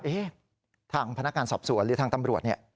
เอ๊ะทางพนักงานสอบสวนหรือทางตำรวจ